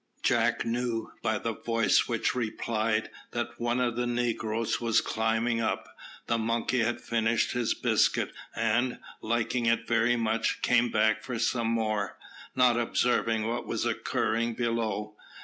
Jack knew, by the voice which replied, that one of the negroes was climbing up. The monkey had finished his biscuit, and, liking it very much, came back for some more, not observing what was occurring below.